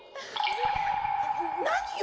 何よ！？